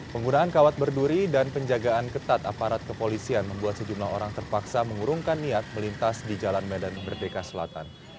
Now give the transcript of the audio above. penggunaan kawat berduri dan penjagaan ketat aparat kepolisian membuat sejumlah orang terpaksa mengurungkan niat melintas di jalan medan merdeka selatan